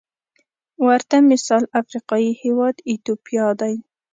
ورته مثال افریقايي هېواد ایتوپیا دی.